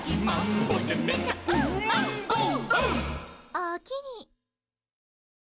「おおきに」